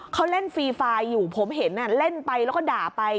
เขาเล่นฟรีไฟล์อยู่ผมเห็นเล่นไปแล้วก็ด่าไป